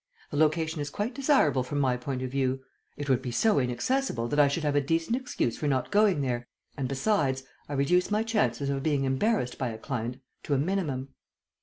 "The location is quite desirable from my point of view. It would be so inaccessible that I should have a decent excuse for not going there, and besides, I reduce my chances of being embarrassed by a client to a minimum."